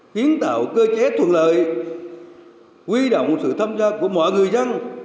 kiến tạo cơ chế thuận lợi huy động sự tham gia của mọi người dân